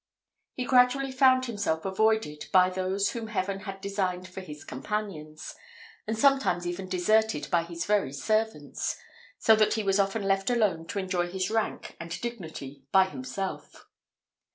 He gradually found himself avoided by those whom Heaven had designed for his companions, and sometimes even deserted by his very servants; so that he was often left alone to enjoy his rank and dignity by himself.